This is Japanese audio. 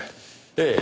ええ。